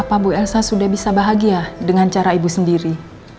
apa bu elsa sudah bisa bahagia dengan cara ibu sendiri